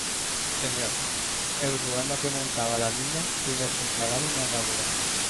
señor, el ruano que montaba la Niña tiene desenclavada una herradura...